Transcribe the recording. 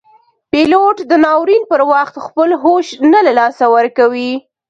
پیلوټ د ناورین پر وخت خپل هوش نه له لاسه ورکوي.